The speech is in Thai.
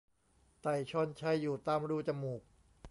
ไต่ชอนไชอยู่ตามรูจมูก